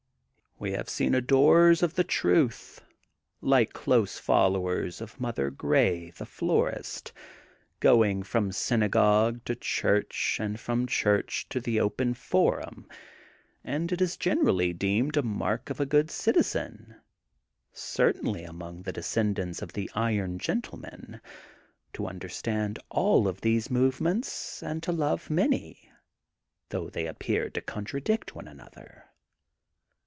"We have seen adorers of the truth, like close followers of Mother Grey, the Florist, going from Synagogue to Church and from Church to the Open Forum, and it is generally deemed a mark of a good citizen, certainly among the descendants of the Iron Gentle man, to understand all of these movements, and to love many, though they appear to con tradict one another.